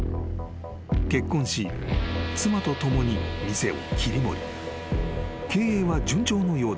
［結婚し妻と共に店を切り盛り］